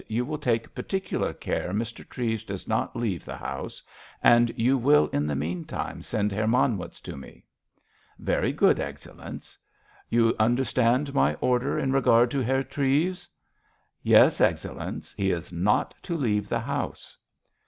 You will take particular care Mr. Treves does not leave the house, and you will in the meantime send Herr Manwitz to me." "Very good, Excellenz." "You understand my order in regard to Herr Treves?" "Yes, Excellenz. He is not to leave the house."